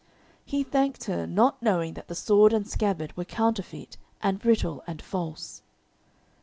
He thanked her, not knowing that the sword and scabbard were counterfeit, and brittle and false.